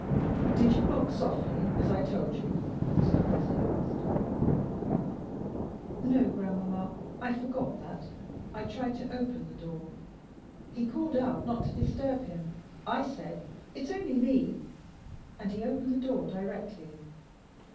"Did you knock softly, as I told you?" Mrs. Presty asked. "No, grandmamma, I forgot that. I tried to open the door. He called out not to disturb him. I said, 'It's only me,' and he opened the door directly.